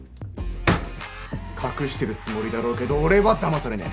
隠してるつもりだろうけど俺はだまされねえ。